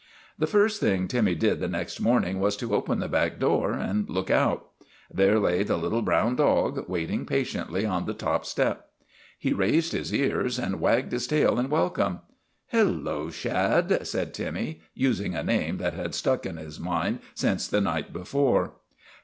The first thing Timmy did the next morning was to open the back door and look out. There lay the little brown dog, waiting patiently on the top step. He raised his ears and wagged his tail in welcome. " Hello, Shad," said Timmy, using a name that had stuck in his mind since the night before.